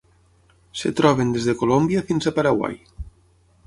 Es troben des de Colòmbia fins a Paraguai.